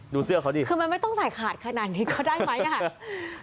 เสื้อเขาดิคือมันไม่ต้องใส่ขาดขนาดนี้ก็ได้ไหมอ่ะ